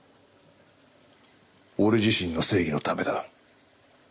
俺自身の正義のためだ。